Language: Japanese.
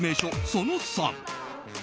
その３。